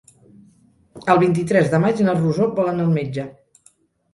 El vint-i-tres de maig na Rosó vol anar al metge.